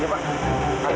jangan k suitable oh luada